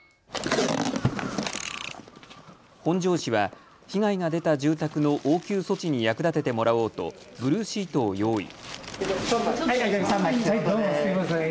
本庄市は被害が出た住宅の応急措置に役立ててもらおうとブルーシートを用意。